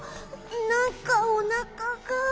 なんかおなかが。